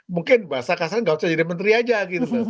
mungkin bahasa kasarnya nggak usah jadi menteri aja gitu